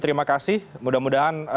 terima kasih mudah mudahan